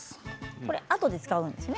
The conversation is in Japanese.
これはあとで使うんですね。